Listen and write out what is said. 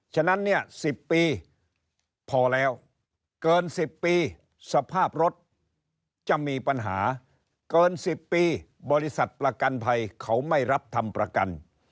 ฉะนั้นเนี่ย๑๐ปีพอแล้วเกิน๑๐ปีสภาพรถจะมีปัญหาเกิน๑๐ปีบริษัทประกันภัยเขาไม่รับทำประกัน